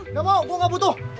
gak mau gue gak butuh